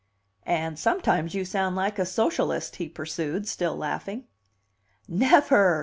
"And sometimes you sound like a Socialist," he pursued, still laughing. "Never!"